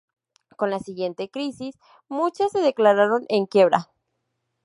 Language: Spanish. Con la siguiente crisis muchas se declararon en quiebra.